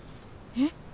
えっ？